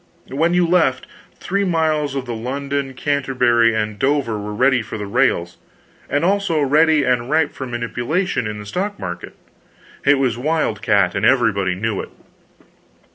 When you left, three miles of the London, Canterbury and Dover were ready for the rails, and also ready and ripe for manipulation in the stock market. It was wildcat, and everybody knew it.